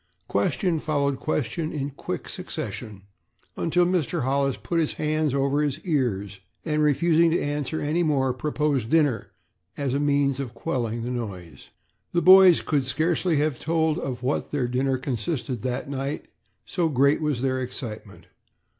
Question followed question in quick succession, until Mr. Hollis put his hands over his ears, and, refusing to answer any more, proposed dinner as a means of quelling the noise. The boys could scarcely have told of what their dinner consisted that night, so great was their excitement.